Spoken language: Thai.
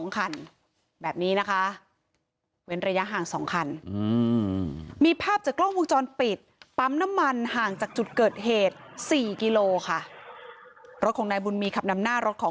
คุณผู้ชมค่ะเราได้คุยกัน